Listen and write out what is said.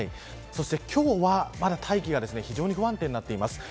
そして今日は、まだ大気が非常に不安定になっています。